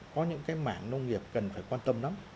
có những cái mảng nông nghiệp cần phải quan tâm lắm